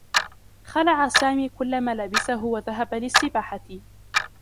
خلع سامي كلّ ملابسه و ذهب للسّباحة.